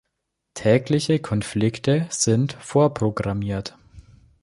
Tägliche Konflikte sind vorprogrammiert.